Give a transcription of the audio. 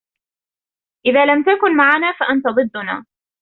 إذا لم تكن معنا فأنت ضدنا.